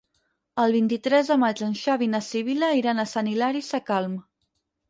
El vint-i-tres de maig en Xavi i na Sibil·la iran a Sant Hilari Sacalm.